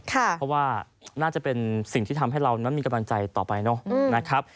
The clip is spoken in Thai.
เพราะว่าน่าจะเป็นสิ่งที่ทำให้เรานั้นมีกำลังใจต่อไปเนอะนะครับ